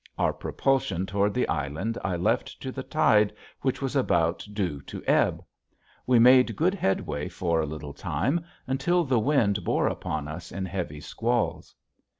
Our propulsion toward the island I left to the tide which was about due to ebb. We made good headway for a little time until the wind bore upon us in heavy squalls.